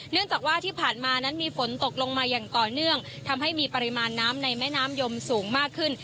จากว่าที่ผ่านมานั้นมีฝนตกลงมาอย่างต่อเนื่องทำให้มีปริมาณน้ำในแม่น้ำยมสูงมากขึ้น